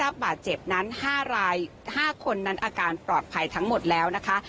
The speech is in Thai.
บาดเจ็บนั้น๕ราย๕คนนั้นอาการปลอดภัยทั้งหมดแล้วนะคะ